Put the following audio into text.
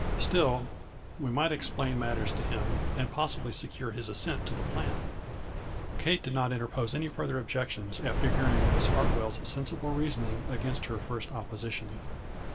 Still, we might ex plain matters to him and possibly secure his as sent to the plan. Kate did not interpose any further objections, after hearing Miss Hartwell's sensible reasoning against her first opposition.